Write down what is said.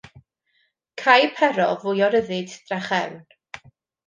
Cai Pero fwy o ryddid drachefn.